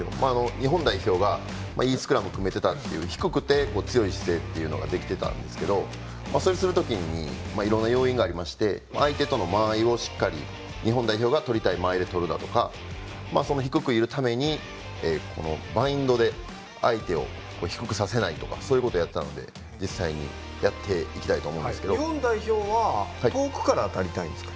日本代表がいいスクラムを組めてた低い姿勢でできていたんですけどそれをするときにいろんな要因がありまして相手との間合いを日本代表がしっかりとるとか低くいるためにバインドで相手を低くさせないとかそういうことをしていたので実際にやっていきたいと思うんですけど日本代表は遠くから当たりたいんですか？